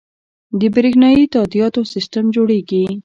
د بریښنایی تادیاتو سیستم جوړیږي